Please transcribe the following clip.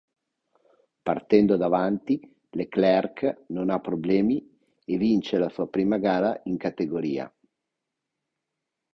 Partendo davanti Leclerc non ha problemi è vince la sua prima gara in categoria.